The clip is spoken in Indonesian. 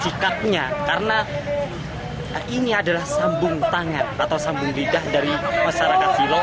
sikapnya karena ini adalah sambung tangan atau sambung lidah dari masyarakat silo